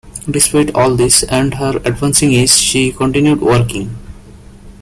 Despite all this and her advancing age, she continued working.